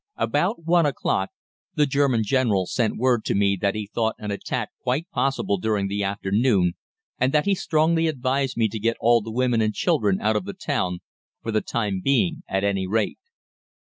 "About one o'clock the German general sent word to me that he thought an attack quite possible during the afternoon, and that he strongly advised me to get all the women and children out of the town for the time being at any rate.